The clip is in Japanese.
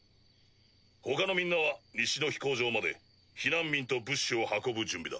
ほかのみんなは西の飛行場まで避難民と物資を運ぶ準備だ。